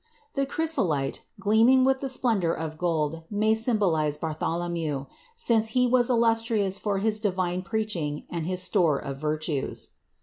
The chrysolite, gleaming with the splendor of gold, may symbolize Bartholomew, since he was illustrious for his divine preaching and his store of virtues.